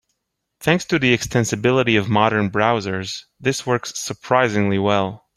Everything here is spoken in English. Thanks to the extensibility of modern browsers, this works surprisingly well.